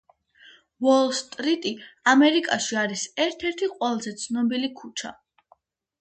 უოლ სტრიტი ამერიკაში არის ერთ ერთი ყველაზე ცნობილი ქუჩა